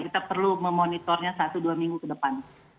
kita perlu memonitornya satu dua minggu ke depan